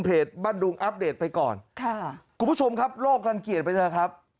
บ้านดุงอัปเดตไปก่อนค่ะคุณผู้ชมครับโลกรังเกียจไปเถอะครับ